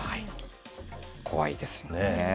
怖いですね。